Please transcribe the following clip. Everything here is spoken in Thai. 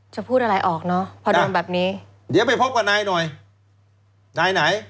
พูดอะไรออกเนอะพอโดนแบบนี้เดี๋ยวไปพบกับนายหน่อยนายไหน